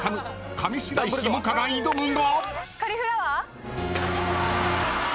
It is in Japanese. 上白石萌歌が挑むが。